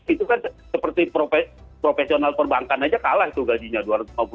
itu kan seperti profesional perbankan aja kalah tuh gajinya dua ratus lima puluh juta